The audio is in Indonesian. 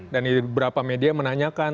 dan beberapa media menanyakan